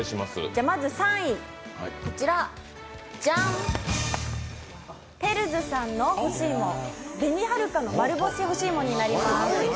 まず３位、テルズさんの干し芋、紅はるかの丸干し干し芋になります。